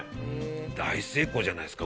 大成功じゃないですか？